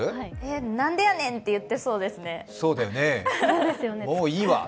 「なんでやねん！」って言ってそうですね。